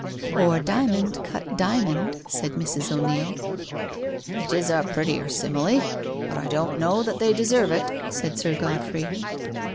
'*" Or diamond cut diamond,*' said Mrs. O'Neil. "It is a prettier simile, but I don't know that they deserve it," said Sir Godfrey.